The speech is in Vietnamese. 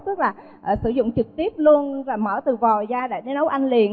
tức là sử dụng trực tiếp luôn và mở từ vòi ra để nấu ăn liền